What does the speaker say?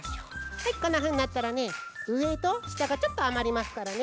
はいこんなふうになったらねうえとしたがちょっとあまりますからね。